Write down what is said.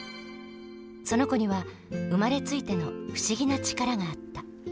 その子には生まれついての不思議な力があった。